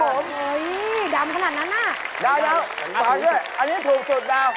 โอ้โหดำขนาดนั้นน่ะดาวมาด้วยอันนี้ถูกสุดดาว